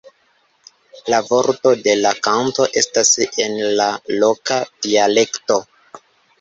La vortoj de la kanto estas en la loka dialekto.